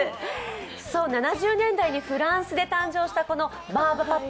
７０年代にフランスで誕生したこのバーバパパ。